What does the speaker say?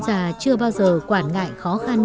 già chưa bao giờ quản ngại khó khăn